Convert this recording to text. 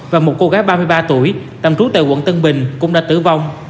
và một cô gái ba mươi ba tuổi tạm trú tại quận tân bình cũng đã tử vong